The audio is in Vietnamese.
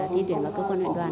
thi tuyển vào cơ quan huyện đoàn